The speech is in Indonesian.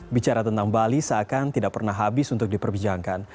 bicara tentang bali seakan tidak pernah habis untuk diperbincangkan